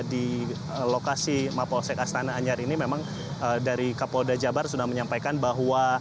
di lokasi mapolsek astana anyar ini memang dari kapolda jabar sudah menyampaikan bahwa